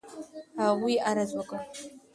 هغو عرض وكړ: